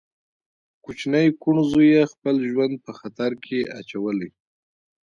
کوچني کوڼ زوی يې خپل ژوند په خطر کې اچولی.